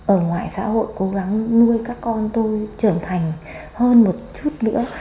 ở ngoài xã hội cố gắng nuôi các con tôi trưởng thành hơn một chút nữa